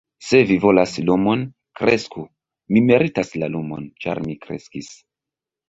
"Se vi volas lumon, kresku. Mi meritas la lumon, ĉar mi kreskis."